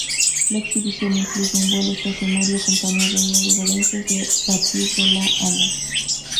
La exhibición incluye un vuelo estacionario, acompañado de reverencias y batir de la alas.